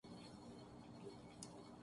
جب دیکھو یا سنو تو لندن میں تشریف فرما ہیں۔